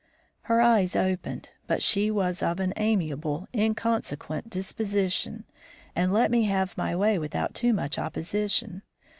Her eyes opened, but she was of an amiable, inconsequent disposition and let me have my way without too much opposition.